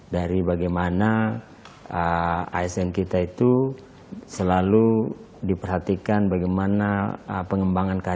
dari bagaimana asn kita itu selalu diperhatikan bagaimana pengembangan karya